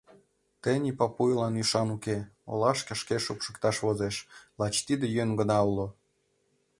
— Тений Папуйлан ӱшан уке, олашке шке шупшыкташ возеш, лач тиде йӧн гына уло.